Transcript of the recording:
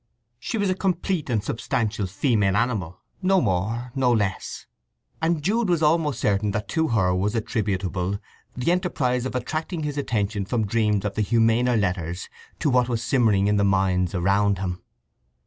She was a complete and substantial female animal—no more, no less; and Jude was almost certain that to her was attributable the enterprise of attracting his attention from dreams of the humaner letters to what was simmering in the minds around him.